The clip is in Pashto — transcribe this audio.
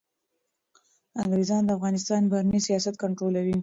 انګریزان د افغانستان بهرنی سیاست کنټرولوي.